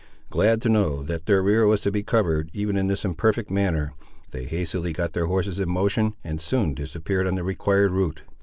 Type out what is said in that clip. Glad to know that their rear was to be covered, even in this imperfect manner, they hastily got their horses in motion, and soon disappeared on the required route.